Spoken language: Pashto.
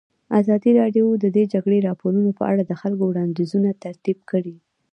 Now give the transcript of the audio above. ازادي راډیو د د جګړې راپورونه په اړه د خلکو وړاندیزونه ترتیب کړي.